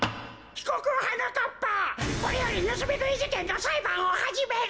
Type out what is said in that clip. ひこくはなかっぱこれよりぬすみぐいじけんのさいばんをはじめる。